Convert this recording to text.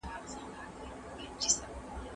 ماشوم په سوې ساه د خپلې خور نوم واخیست.